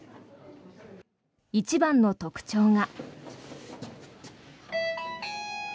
一番の特徴が。